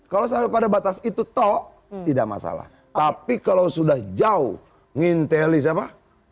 kalau sampai pada batas itu toh tidak masalah tapi kalau sudah jauh nginteli siapa